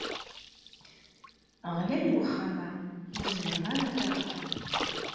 Ɣlay uxxam-a, ur zmireɣ ad t-aɣeɣ.